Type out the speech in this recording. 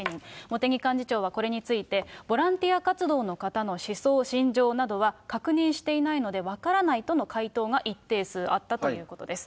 茂木幹事長はこれについて、ボランティア活動の方の思想信条などは確認していないので、分からないとの回答が一定数あったということです。